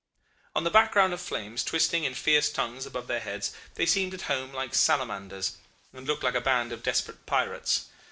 "On the background of flames twisting in fierce tongues above their heads they seemed at home like salamanders, and looked like a band of desperate pirates.